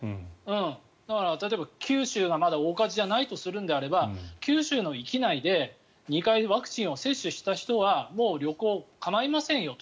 例えば九州がまだ大火事じゃないとするのであれば九州の域内で２回ワクチンを接種した人はもう旅行、構いませんよと。